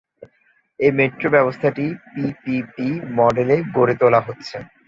এই মেট্রো ব্যবস্থাটি পিপিপি মডেলে গড়ে তোলা হচ্ছে।